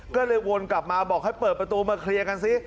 ก็เลยวนกลับมาบอกให้เปิดประตูมาเคลียร์กันซิ